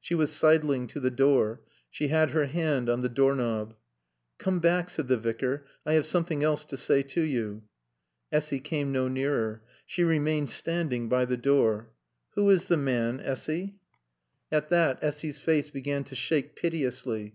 She was sidling to the door. She had her hand on the doorknob. "Come back," said the Vicar. "I have something else to say to you." Essy came no nearer. She remained standing by the door. "Who is the man, Essy?" At that Essy's face began to shake piteously.